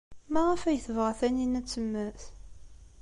Maɣef ay tebɣa Taninna ad temmet?